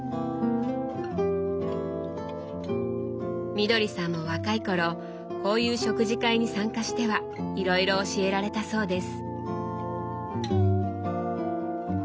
みどりさんも若い頃こういう食事会に参加してはいろいろ教えられたそうです。